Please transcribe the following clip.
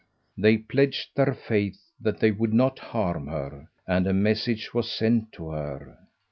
They pledged their faith that they would not harm her, and a message was sent to her.